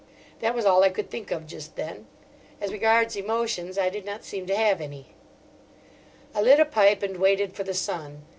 That was all I could think of just then. As regards emotions, I did not seem to have any. I lit a pipe and waited for the sun.